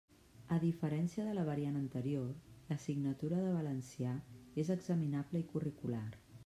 A diferència de la variant anterior, l'assignatura de valencià és examinable i curricular.